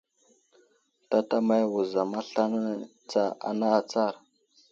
Tatamay wuzam aslane tsa ana atsar !